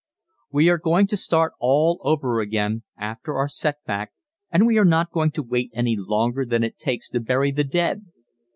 We are going to start all over again after our setback and we are not going to wait any longer than it takes to bury the dead.